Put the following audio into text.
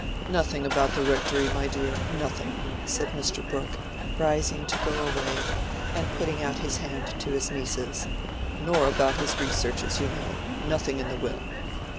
"Nothing about the rectory, my dear—nothing," said Mr. Brooke, rising to go away, and putting out his hand to his nieces: "nor about his researches, you know. Nothing in the will."